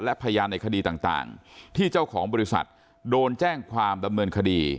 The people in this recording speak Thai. และพยานในคดีต่างที่เจ้าของบริษัทโดนแจ้งความดำเนินคดี